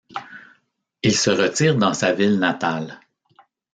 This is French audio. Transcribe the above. Il se retire dans sa ville natale.